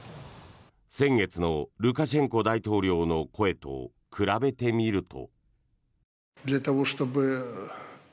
先月のルカシェンコ大統領の声と比べてみると。